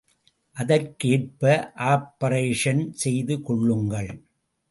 அதற்கேற்ப ஆப்பரேஷன் செய்து கொள்ளுங்கள்.